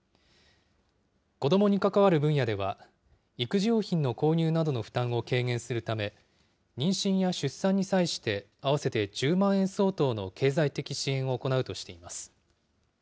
子どもに関わる分野では、育児用品の購入などの負担を軽減するため、妊娠や出産に際して、合わせて１０万円相当の経済的支援を行うとしています。